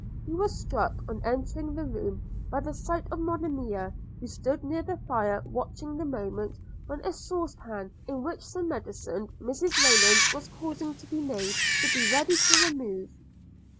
He was struck, on entering the room by the sight of Monimia, who stood near the fire watching the moment when a saucepan, in which some medicine Mrs Rayland was causing to be made, should be ready to remove.